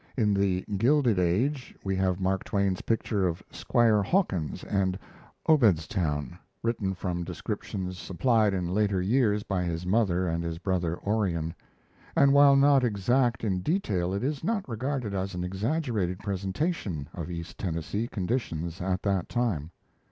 In The Gilded Age we have Mark Twain's picture of Squire Hawkins and Obedstown, written from descriptions supplied in later years by his mother and his brother Orion; and, while not exact in detail, it is not regarded as an exaggerated presentation of east Tennessee conditions at that time.